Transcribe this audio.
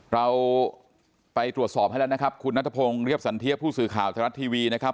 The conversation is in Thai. เราไปตรวจสอบให้แล้วนะครับคุณนัทพงศ์เรียบสันเทียบผู้สื่อข่าวทรัฐทีวีนะครับ